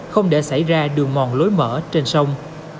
không để xảy ra đường mòn lối mở trên sông